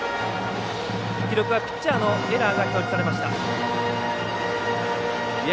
記録はピッチャーのエラーが表示されました。